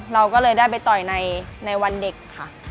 เราก็เลยได้ไปต่อยในวันเด็กค่ะ